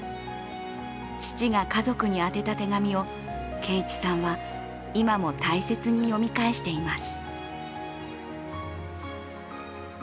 父が家族に宛てた手紙を顕一さんは今も大切に読み返しています。